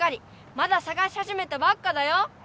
まださがしはじめたばっかだよ！